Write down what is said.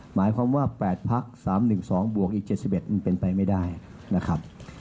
หมายความว่า๘พัก๓๑๒บวกอีก๗๑มันเป็นไปไม่ได้นะครับ